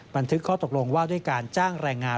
บันทึกข้อตกลงว่าด้วยการจ้างแรงงาน